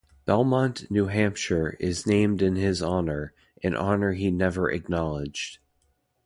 Belmont, New Hampshire, is named in his honor, an honor he never acknowledged.